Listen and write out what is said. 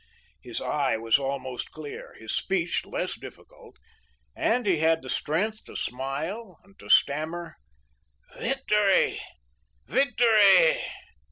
His eye was almost clear, his speech less difficult, and he had the strength to smile and to stammer:—"'Victory, victory.